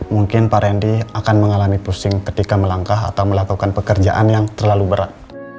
mungkin pak randy akan mengalami pusing ketika melangkah atau melakukan pekerjaan yang terlalu berat